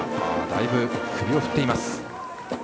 だいぶ首を振っていました。